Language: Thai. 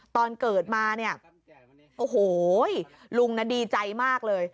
ตอนเกิดมาเนี่ยโอ้โหลุงดีใจมากเลย